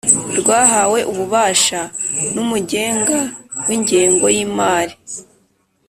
rwahawe ububasha n Umugenga w Ingego y Imari